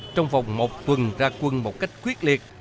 trong vòng một tuần ra quân một cách quyết liệt